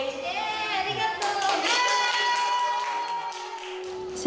ありがとう！